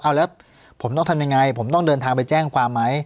เอาแล้วผมต้องทำยังไงผมต้องเดินทางไปแจ้งความไหม